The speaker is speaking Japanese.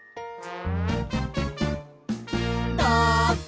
「どっち？